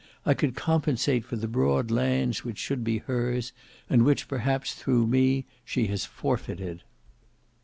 I could compensate for the broad lands which should be hers, and which perhaps through me she has forfeited.